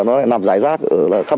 nó lại nằm rải rác ở